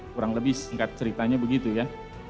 kurang lebih singkat ceritanya begitu ya